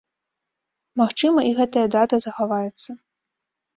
Магчыма, і гэтая дата захаваецца.